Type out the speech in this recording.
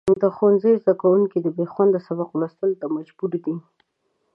د ښوونځي زدهکوونکي د بېخونده سبق لوستلو ته مجبور دي.